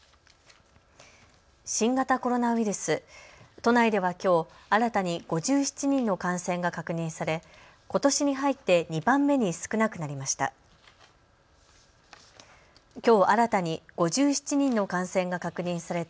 新型コロナウイルス、都内ではきょう新たに５７人の感染が確認されことしに入って２番目に少なくなりました。